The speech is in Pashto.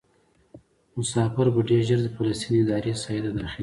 مسافر به ډېر ژر د فلسطیني ادارې ساحې ته داخلیږي.